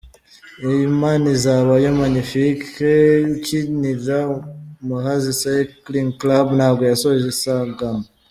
Imanizabayo Magnifique ukinira Muhazi Cycling Club ntabwo yasoje isiganwa.